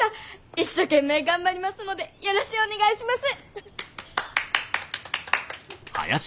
一生懸命頑張りますのでよろしゅうお願いします！